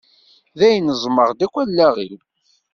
Dayen ẓmeɣ-d akk allaɣ-iw